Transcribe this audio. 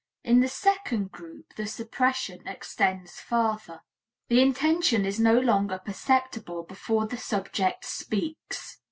In the second group the suppression extends farther. The intention is no longer perceptible before the subject speaks.